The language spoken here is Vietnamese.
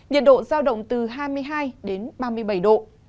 nhiệt độ giao động từ hai mươi hai đến ba mươi bảy độ